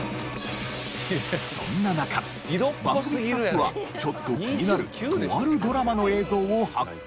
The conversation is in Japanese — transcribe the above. そんな中番組スタッフはちょっと気になるとあるドラマの映像を発見。